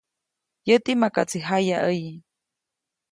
Yäti makaʼtsi jayaʼäyi.